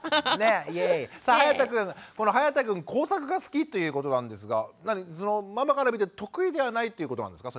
さあはやたくん工作が好きということなんですがママから見て得意ではないということなんですか？